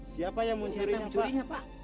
siapa yang mencuri